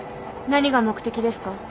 何が目的ですか？